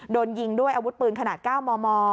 โดนยิงด้วยอาวุธปืนขนาด๙มม